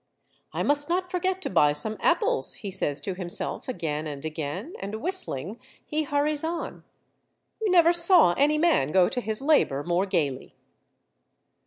" I must not forget to buy some apples," he says to himself again and again, and whistling he hurries on. You never saw any man go to his labor more gayly.